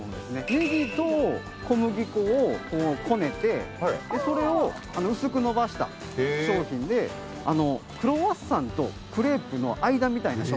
ネギと小麦粉をこねてそれを薄く延ばした商品でクロワッサンとクレープの間みたいな食感で。